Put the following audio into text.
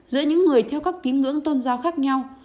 giữa những người theo các tín ngưỡng tôn giáo khác nhau